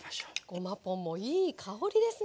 ごまポンもいい香りですね。